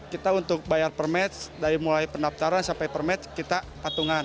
kita untuk bayar permit dari mulai pendaftaran sampai permit kita patungan